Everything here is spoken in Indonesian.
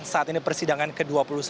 saat ini persidangan ke dua puluh satu